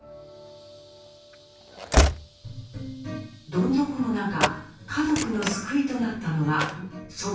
どん底の中家族の救いとなったのが祖母たづの明るさ。